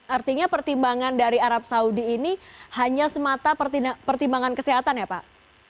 artinya pertimbangan dari arab saudi ini hanya semata pertimbangan kesehatan ya pak